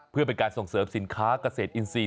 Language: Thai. เพื่อเป็นการส่งเสิร์ฟสินค้ากระเสธอินทรีย์